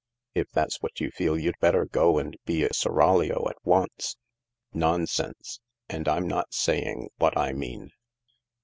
" If that's what you feel, you'd better go and be a seraglio at once." "Nonsense. And I'm not saying what I mean.